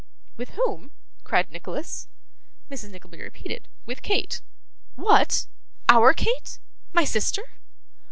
'With whom?' cried Nicholas. Mrs. Nickleby repeated, with Kate. 'What! OUR Kate! My sister!